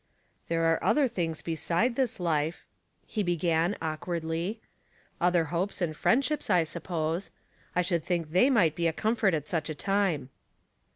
'^ There are other things beside this life," he began, awkwai dly. '' Other hopes and friend ships, I suppose. I should think they might be a comfort at such a time."